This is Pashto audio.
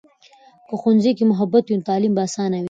که ښوونځي کې محبت وي، نو تعلیم به آسانه وي.